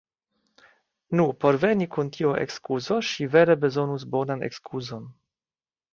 Nu, por veni kun tiu ekskuzo ŝi vere bezonus bonan ekskuzon!